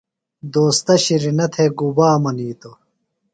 دوستہ شِرینہ تھےۡ گُبا منِیتوۡ ؟